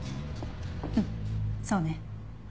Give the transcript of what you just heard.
うんそうね。